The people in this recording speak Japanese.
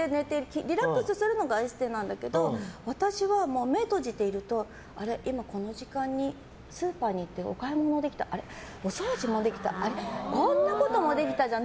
リラックスするのがエステなんだけど私は目を閉じてると今この時間にスーパーに行ってお買い物できたお掃除もできたこんなこともできたじゃん